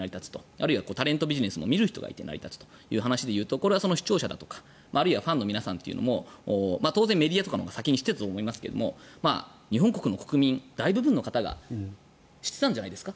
あるいはタレントビジネスも見る人がいて成り立つという話で言うとこれは視聴者だとか、あるいはファンの皆さんというのも当然メディアとかのほうが先に知っていたと思いますが日本国の国民、大部分の方が知ってたんですか